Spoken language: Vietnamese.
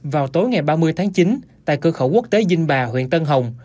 vào tối ngày ba mươi tháng chín tại cơ khẩu quốc tế vinh bà huyện tân hồng